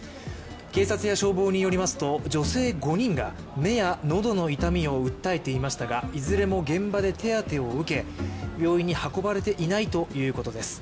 警察や消防によりますと、女性５人が目や喉の痛みを訴えていましたがいずれも現場で手当を受け病院に運ばれていないということです。